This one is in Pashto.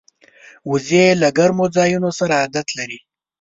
وزې له ګرمو ځایونو سره عادت لري